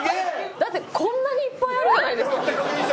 だってこんなにいっぱいあるじゃないですか。